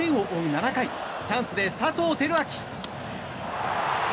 ７回チャンスで佐藤輝明。